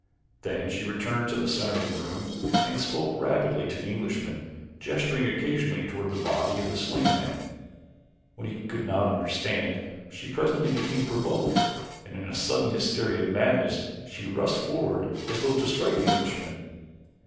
Then she returned to the center of the room and spoke rapidly to the Englishman, gesturing occasionally toward the body of the slain man. When he could not understand, she presently became provoked and in a sudden hysteria of madness she rushed forward as though to strike the Englishman.